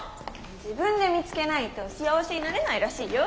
自分で見つけないと幸せになれないらしいよ。